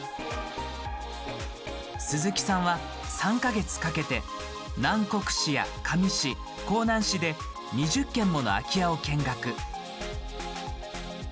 鈴木さんは３か月かけて南国市や香美市、香南市で２０軒もの空き家を見学。